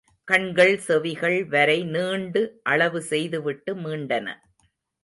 கண்கள் செவிகள் வரை நீண்டு அளவு செய்துவிட்டு மீண்டன.